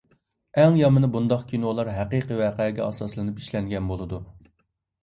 ئەڭ يامىنى، بۇنداق كىنولار ھەقىقىي ۋەقەگە ئاساسلىنىپ ئىشلەنگەن بولىدۇ.